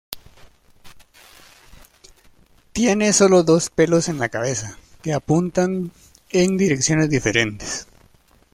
Tiene sólo dos pelos en la cabeza, que apuntan en direcciones diferentes.